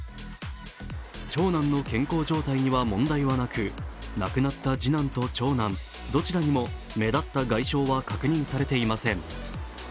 長男の健康状態には問題はなく亡くなった次男と長男どちらにも目立った外傷は確認されていません。